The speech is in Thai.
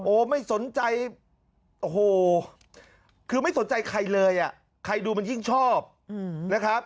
โอ้โหไม่สนใจโอ้โหคือไม่สนใจใครเลยอ่ะใครดูมันยิ่งชอบนะครับ